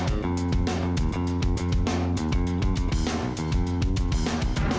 ada apa bu bapak mau kemana